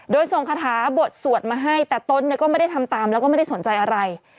โดยส่งคาถาบทสวดมาให้แต่ตนก็ไม่ได้ทำตามแล้วก็ไม่ได้สนใจอะไร